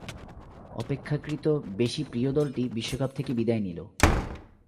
অপেক্ষাকৃত বেশি প্রিয় দলটি বিশ্বকাপ থেকে বিদায় নিলো।